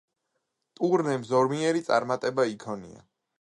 ტურნემ ზომიერი წარმატება იქონია.